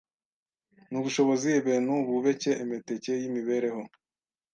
n’ubushobozi ebentu bubeke emeteke y’imibereho